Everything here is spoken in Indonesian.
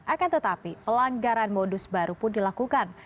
akan tetapi pelanggaran modus baru pun dilakukan